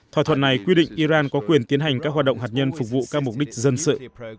thỏa thuận này quy định iran có quyền tiến hành các hoạt động hạt nhân phục vụ các mục đích dân sự